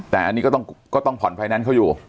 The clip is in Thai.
แต่อันนี้ก็ต้องผ่อนไฟแนนซ์เขาอยู่